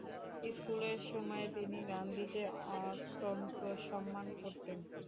স্কুলের সময়ে তিনি গান্ধীকে অত্যন্ত সম্মান করতেন।